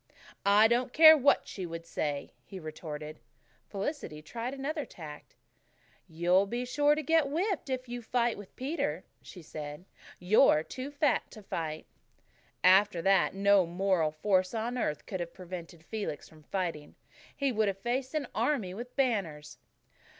"I don't care what she would say," he retorted. Felicity tried another tack. "You'll be sure to get whipped if you fight with Peter," she said. "You're too fat to fight." After that, no moral force on earth could have prevented Felix from fighting. He would have faced an army with banners.